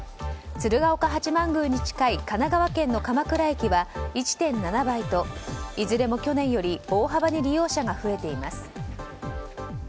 鶴岡八幡宮に近い神奈川県の鎌倉駅は１．７倍と、いずれも去年より大幅に利用者が増えています。